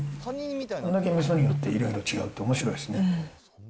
これだけみそによっていろいろ違うって、おもしろいですね。